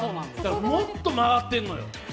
もっと回ってるのよ。